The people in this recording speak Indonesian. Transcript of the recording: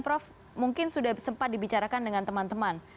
prof mungkin sudah sempat dibicarakan dengan teman teman